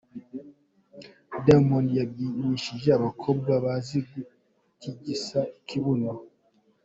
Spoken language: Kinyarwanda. Diamond yabyinishije abakobwa bazi gutigisa ikibuno.